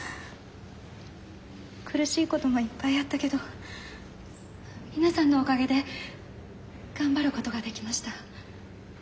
苦しいこともいっぱいあったけど皆さんのおかげで頑張ることができました。